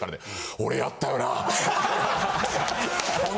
俺やったよな？